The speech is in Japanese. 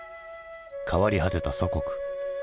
変わり果てた祖国。